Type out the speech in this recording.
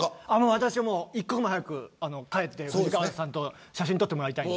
私は一刻も早く帰って藤川さんと写真撮ってもらいたい。